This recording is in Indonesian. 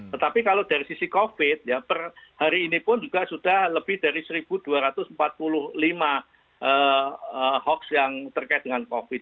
tetapi kalau dari sisi covid per hari ini pun juga sudah lebih dari satu dua ratus empat puluh lima hoax yang terkait dengan covid